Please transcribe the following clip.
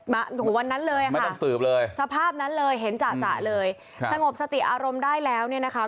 มาถึงวันนั้นเลยค่ะไม่ต้องสืบเลยสภาพนั้นเลยเห็นจ่ะเลยสงบสติอารมณ์ได้แล้วเนี่ยนะคะ